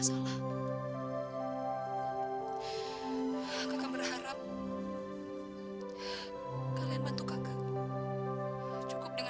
sampai jumpa di video selanjutnya